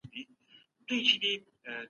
مطالعه انسان ته د ژوند هنر ښووي.